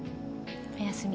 おやすみ。